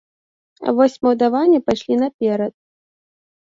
А вось малдаване пайшлі наперад.